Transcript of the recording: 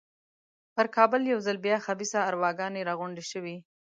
پر کابل یو ځل بیا خبیثه ارواګانې را غونډې شوې.